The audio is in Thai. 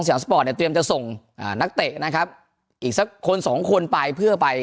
สปอร์ตเนี่ยเตรียมจะส่งอ่านักเตะนะครับอีกสักคนสองคนไปเพื่อไป